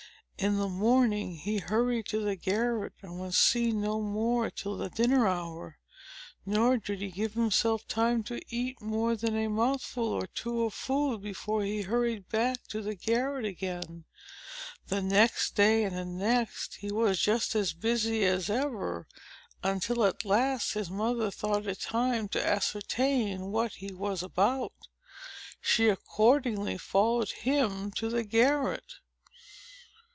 In the morning, he hurried to the garret, and was seen no more till the dinner hour; nor did he give himself time to eat more than a mouthful or two of food, before he hurried back to the garret again. The next day, and the next, he was just as busy as ever; until at last his mother thought it time to ascertain what he was about. She accordingly followed him to the garret.